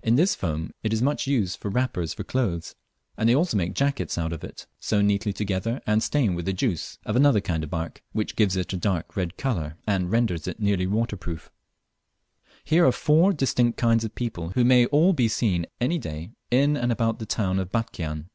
In this foam it is much used for wrappers for clothes; and they also make jackets of it, sewn neatly together and stained with the juice of another kind of bark, which gives it a dark red colour and renders it nearly waterproof. Here are four very distinct kinds of people who may all be seen any day in and about the town of Batchian.